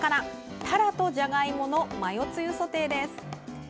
「たらとじゃがいものマヨつゆソテー」です。